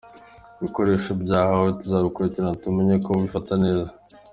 Ibikoresho bahawe tuzabakurikirana tumenye ko babifata neza”.